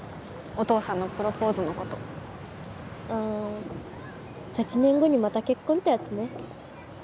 お父さんのプロポーズのことああ８年後にまた結婚ってやつね